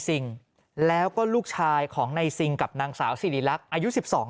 ซิงแล้วก็ลูกชายของในซิงกับนางสาวสิริรักษ์อายุ๑๒